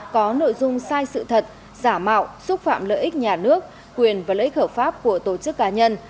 có nội dung sai sự thật giả mạo xúc phạm lợi ích nhà nước quyền và lợi ích hợp pháp của tổ chức cá nhân